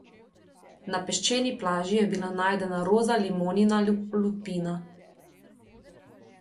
Na peščeni plaži je bila najdena roza limonina lupina.